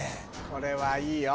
これはいいよ